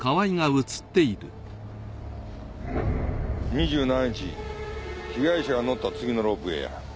２７日被害者が乗った次のロープウエーや。